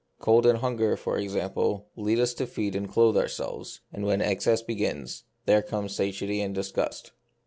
Cold and hunger, for example, lead us to feed and clothe our selves, and when excess begins, there come satiety and disgust.